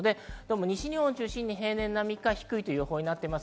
西日本を中心に平年並みか低いという予報です。